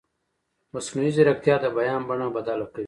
مصنوعي ځیرکتیا د بیان بڼه بدله کوي.